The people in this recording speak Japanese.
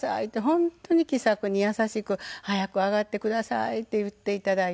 本当に気さくに優しく「早く上がってください」って言っていただいて。